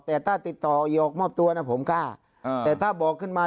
แต่ถ้าติดต่อหอกมอบตัวนะผมกล้าแต่ถ้าบอกขึ้นมา